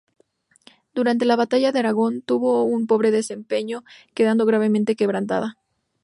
Durante la batalla de Aragón tuvo un pobre desempeño, quedando gravemente quebrantada.